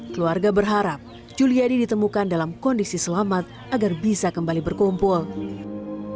keluarga berharap juliadi ditemukan dalam kondisi selamat agar bisa kembali berkumpul